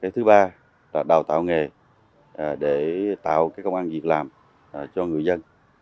thứ ba là đào tạo nghề để tạo công an việc làm cho người dân